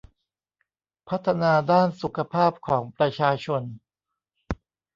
พัฒนาด้านสุขภาพของประชาชน